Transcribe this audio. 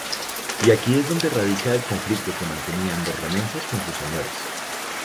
Y aquí es donde radica el conflicto que mantenían los remensas con sus señores.